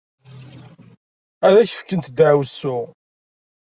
Ad ak-fkent ddeɛwessu.